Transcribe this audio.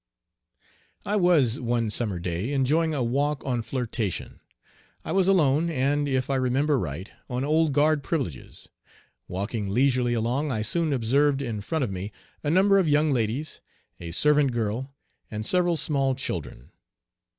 I was one summer day enjoying a walk on "Flirtation." I was alone, and, if I remember aright, "on Old Guard privileges." Walking leisurely along I soon observed in front of me a number of young ladies, a servant girl, and several small children.